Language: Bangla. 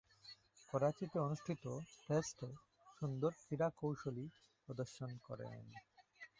করাচীতে অনুষ্ঠিত টেস্টে সুন্দর ক্রীড়াশৈলী প্রদর্শন করেন।